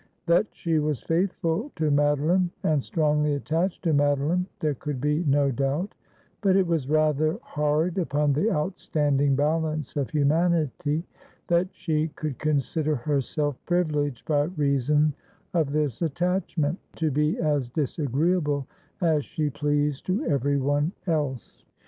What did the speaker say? That she was faithful to Madoline, and strongly attached to Madoline, there could be no doubt ; but it was rather hard upon the outstanding balance of humanity that she could consider herself privileged by reason of this attachment to be as disagreeable as she pleased to everyone else.